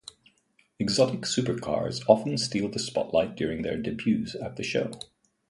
Exotic supercars often steal the spotlight during their debuts at the show.